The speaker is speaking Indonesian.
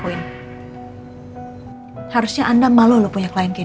bersih anda malu punya client oh